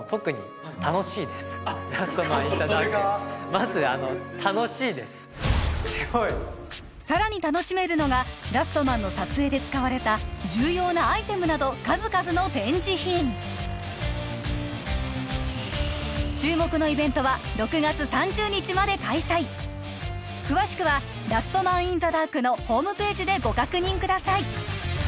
まずさらに楽しめるのが「ラストマン」の撮影で使われた重要なアイテムなど数々の展示品注目のイベントは６月３０日まで開催詳しくは「ラストマン・イン・ザ・ダーク」のホームページでご確認ください